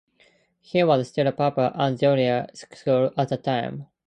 He was still a pupil at junior school at the time.